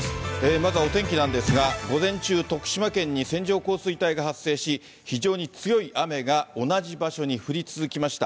まずはお天気なんですが、午前中、徳島県に線状降水帯が発生し、非常に強い雨が同じ場所に降り続きました。